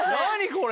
これ。